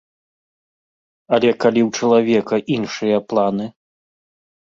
Але калі ў чалавека іншыя планы?